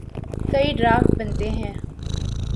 کئی ڈرافٹ بنتے ہیں۔